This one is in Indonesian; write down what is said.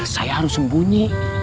saya harus sembunyi